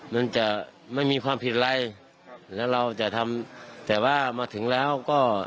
มันจะไม่มีความผิดอะไรแล้วเราจะทำแต่ว่ามาถึงแล้วก็